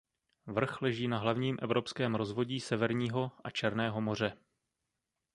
Vrch leží na hlavním evropském rozvodí Severního a Černého moře.